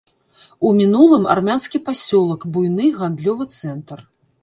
У мінулым армянскі пасёлак, буйны гандлёвы цэнтр.